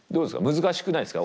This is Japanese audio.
難しくないですか？